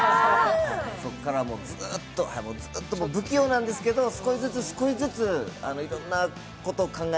そこからずーっと、不器用なんですけど、少しずつ少しずついろんなことを考え